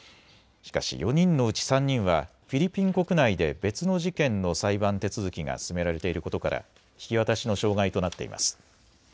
しかし４人のうち３人はフィリピン国内で別の事件の裁判手続きが進められていることから引き渡しの障害となっています。